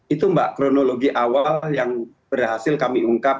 itu mbak kronologi awal yang berhasil kami ungkap